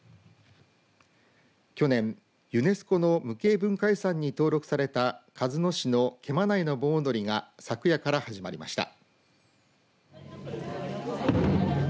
去年、ユネスコの無形文化遺産に登録された鹿角市の毛馬内の盆踊が昨夜から始まりました。